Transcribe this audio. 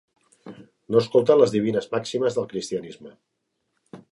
No escolten les divines màximes del cristianisme.